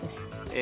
え。